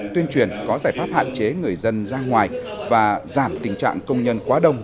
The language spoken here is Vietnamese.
tuyên truyền có giải pháp hạn chế người dân ra ngoài và giảm tình trạng công nhân quá đông